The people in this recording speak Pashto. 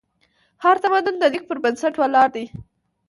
هر تمدن د لیک په بنسټ ولاړ دی.